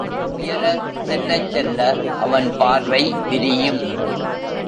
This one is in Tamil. உயர செல்லச் செல்ல அவன் பார்வை விரியும்.